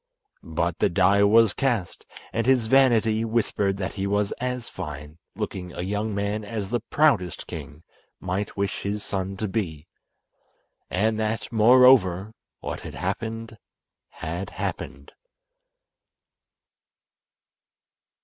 But the die was cast, and his vanity whispered that he was as fine looking a young man as the proudest king might wish his son to be, and that, moreover, what had happened had happened.